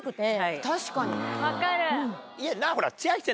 分かる。